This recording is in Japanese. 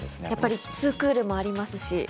やっぱり２クールもありますし。